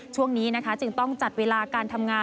ช่วงนี้นะคะจึงต้องจัดเวลาการทำงาน